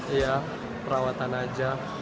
iya perawatan aja